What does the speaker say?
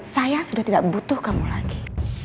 saya sudah tidak butuh kamu lagi